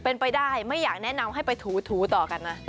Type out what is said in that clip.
เป็นไปได้ไม่อยากแนะนำให้ไปถูต่อกันนะ